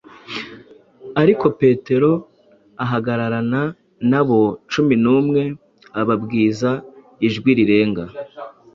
Ariko Petero ahagararana n’abo cumi n’umwe, ababwiza ijwi rirenga